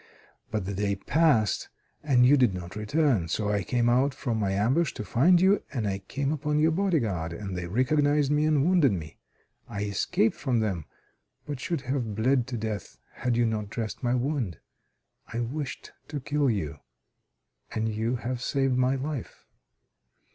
But the day passed and you did not return. So I came out from my ambush to find you, and I came upon your bodyguard, and they recognized me, and wounded me. I escaped from them, but should have bled to death had you not dressed my wound. I wished to kill you, and you have saved my life.